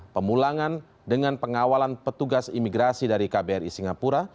pemulangan dengan pengawalan petugas imigrasi dari kbri singapura